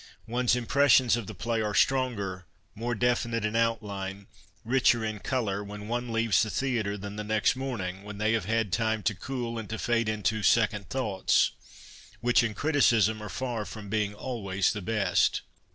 Ones impressions of the play arc stronger, more definite in outline, richer in colour, when one leaves the theatre than next morning, when they have had time to cool and to fade into " second thoughts," which in criticism are far from being always the best.